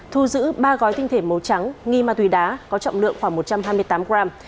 thu giữ ba gói tinh thể màu trắng nghi ma túy đá có trọng lượng khoảng một trăm hai mươi tám gram